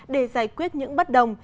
để giải quyết những bất đồng